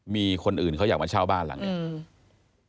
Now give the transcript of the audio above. มีคนอื่นเขาอยากมาเช่าบ้านหลังนี้อืม